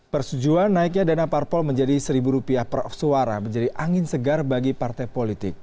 persetujuan naiknya dana parpol menjadi rp satu per suara menjadi angin segar bagi partai politik